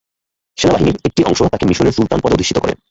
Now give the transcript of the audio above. সেনাবাহিনীর একটি অংশ তাঁকে মিসরের সুলতান পদে অধিষ্ঠিত করে।